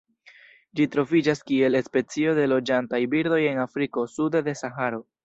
Ĝi troviĝas kiel specio de loĝantaj birdoj en Afriko sude de Saharo.